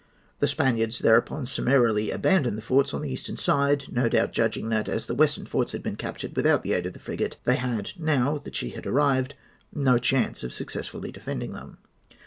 The Spaniards thereupon summarily abandoned the forts on the eastern side; no doubt judging that, as the western forts had been captured without the aid of the frigate, they had, now that she had arrived, no chance of successfully defending them.